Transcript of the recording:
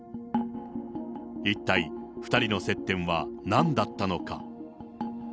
一体２人の接点は何だったのか。